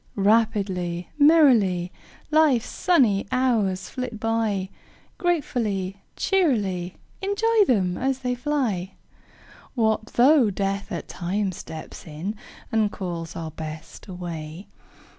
Rapidly, merrily, Life's sunny hours flit by, Gratefully, cheerily Enjoy them as they fly! What though Death at times steps in, And calls our Best away?